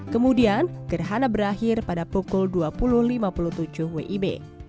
kemudian gerhana berakhir pada pukul dua puluh lima puluh tujuh wib